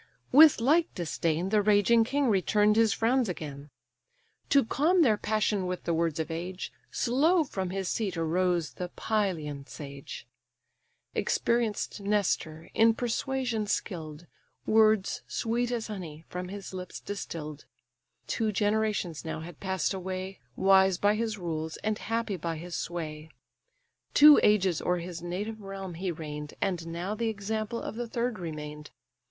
With like disdain The raging king return'd his frowns again. To calm their passion with the words of age, Slow from his seat arose the Pylian sage, Experienced Nestor, in persuasion skill'd; Words, sweet as honey, from his lips distill'd: Two generations now had pass'd away, Wise by his rules, and happy by his sway; Two ages o'er his native realm he reign'd, And now the example of the third remain'd.